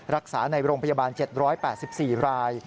รักษาในโรงพยาบาล๗๘๔ราย